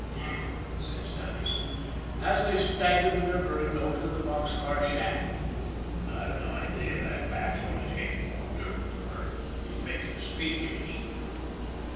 " H'm," said Sanderson, as they staggered with their burden over to the box car shack. " I've an idea that bash on the head is more dirt than hurt. He's making a speech, ain't he